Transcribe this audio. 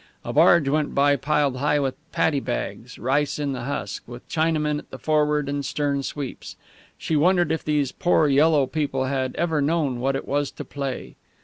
A barge went by piled high with paddy bags rice in the husk with Chinamen at the forward and stern sweeps. She wondered if these poor yellow people had ever known what it was to play?